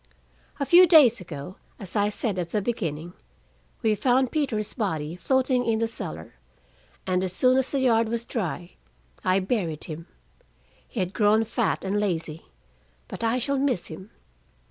A few days ago, as I said at the beginning, we found Peter's body floating in the cellar, and as soon as the yard was dry, I buried him. He had grown fat and lazy, but I shall miss him.